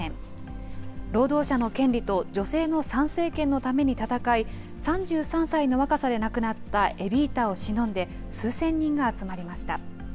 労働者の権利と女性の参政権のために闘い３３歳の若さで亡くなったエビータをしのんで数千人が集まりました。